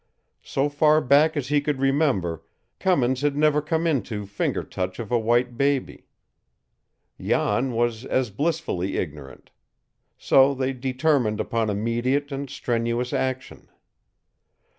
So far back as he could remember, Cummins had never come into finger touch of a white baby. Jan was as blissfully ignorant; so they determined upon immediate and strenuous action.